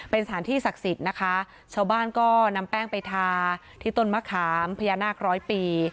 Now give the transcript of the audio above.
เป็นสถานที่ศักดิ์สิทธิ์นะคะชาวบ้านก็นำแป้งไปทาที่ต้นมะขามพญานาคร้อยปี